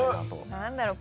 何だろう？